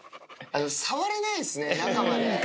触れないですね、中まで。